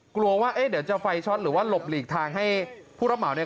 กลัวว่าเอ๊ะเดี๋ยวจะไฟช็อตหรือว่าหลบหลีกทางให้ผู้รับเหมาเนี่ย